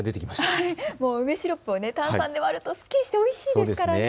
梅シロップを炭酸で割るとすっきりしておいしいですからね。